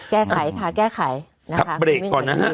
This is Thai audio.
แก้ไขค่ะแก้ไขนะครับเบรกก่อนนะฮะ